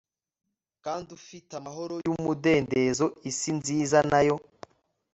kandufitamahoro yumudendezo Isi nziza na yo